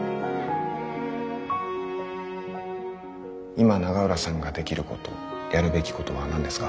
今永浦さんができることやるべきことは何ですか？